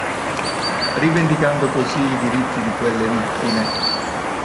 Rivendicando così i diritti di quelle vittime.